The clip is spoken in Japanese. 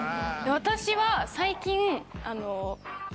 私は最近。